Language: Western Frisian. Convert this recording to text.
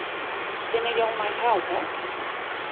Kinne jo my helpe?